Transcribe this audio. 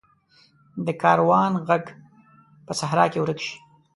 د کاروان ږغ په صحرا کې ورک شي.